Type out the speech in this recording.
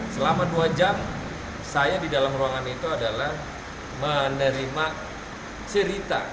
selama dua jam saya di dalam ruangan itu adalah menerima cerita